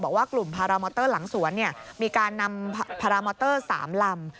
บอกว่ากลุ่มพารามอเตอร์หลังสวนเนี่ยมีการนำพารามอเตอร์สามรำ